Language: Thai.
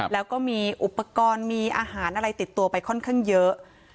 แล้วก็มีอุปกรณ์มีอาหารอะไรติดตัวไปค่อนข้างเยอะ